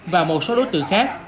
và một số đối tượng khác